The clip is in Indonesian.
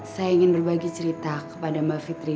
saya ingin berbagi cerita kepada mbak fitri